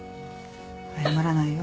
謝らないよ。